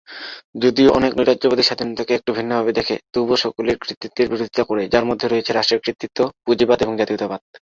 যদিও অনেক নৈরাজ্যবাদী স্বাধীনতাকে একটু ভিন্নভাবে দেখে, তবুও সকলেই কর্তৃত্বের বিরোধিতা করে, যার মধ্যে রয়েছে রাষ্ট্রের কর্তৃত্ব, পুঁজিবাদ এবং জাতীয়তাবাদ।